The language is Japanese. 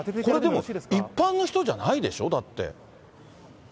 これ、一般の人じゃないでしょ、だって。